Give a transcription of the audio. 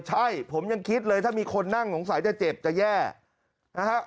ใช่ผมยังคิดเลยถ้ามีคนนั่งสงสัยจะเจ็บจะแย่นะฮะ